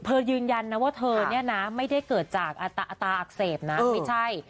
ยืนยันนะว่าเธอเนี่ยนะไม่ได้เกิดจากตาอักเสบนะไม่ใช่